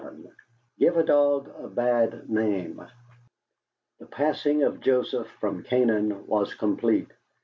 VII GIVE A DOG A BAD NAME The passing of Joseph from Canaan was complete.